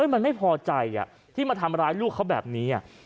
มันไม่พอใจที่มาทำร้ายลูกเขาแบบนี้